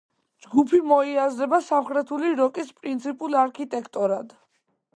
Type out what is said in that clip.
ჯგუფი მოიაზრება სამხრეთული როკის პრინციპულ არქიტექტორად.